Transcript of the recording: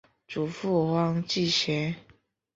祖父汪志贤。